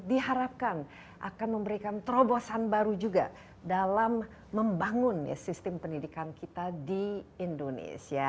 diharapkan akan memberikan terobosan baru juga dalam membangun sistem pendidikan kita di indonesia